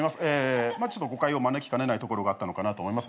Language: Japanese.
まあちょっと誤解を招きかねないところがあったのかなと思います。